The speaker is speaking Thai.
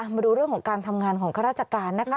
มาดูเรื่องของการทำงานของข้าราชการนะคะ